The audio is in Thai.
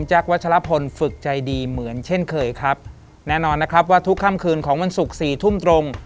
วัชลพลฝึกใจดีเหมือนเช่นเคยครับแน่นอนนะครับว่าทุกค่ำคืนของวันศุกร์สี่ทุ่มตรง